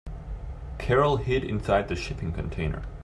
Carol hid inside the shipping container.